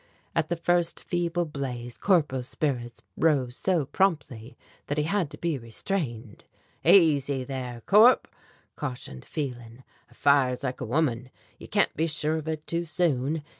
At the first feeble blaze Corporal's spirits rose so promptly that he had to be restrained. "Easy there! Corp," cautioned Phelan. "A fire's like a woman, you can't be sure of it too soon.